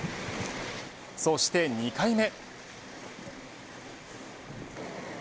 そして２回目。